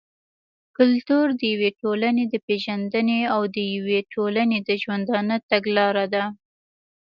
کلتور د يوې ټولني د پېژندني او د يوې ټولني د ژوندانه تګلاره ده.